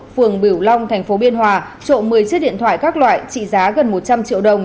phường biểu long thành phố biên hòa trộm một mươi chiếc điện thoại các loại trị giá gần một trăm linh triệu đồng